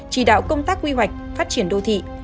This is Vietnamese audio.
chỉ đạo công tác quy hoạch phát triển đô thị